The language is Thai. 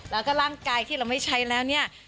แล้วก็ร่างกายที่เราไม่ใช้แล้วเนี่ย